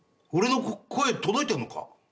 俺の声届いてるのか？